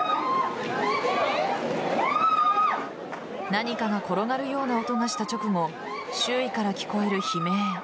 何かが転がるような音がした直後周囲から聞こえる悲鳴。